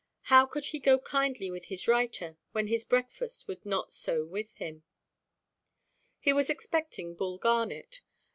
How could he go kindly with his writer when his breakfast would not so with him? He was expecting Bull Garnet.